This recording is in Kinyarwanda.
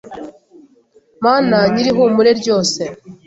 ‘Mana nyir’ihumure ryose.